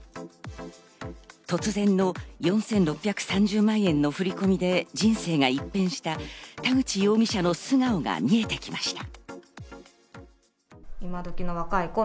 突然の４６３０万円の振り込みで人生が一変した田口容疑者の素顔が見えてきました。